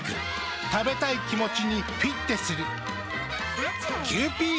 食べたい気持ちにフィッテする。